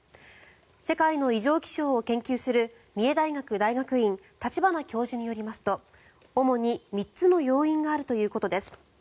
世界の異常気象を研究する三重大学大学院立花教授によりますと主に３つの要因があるということです。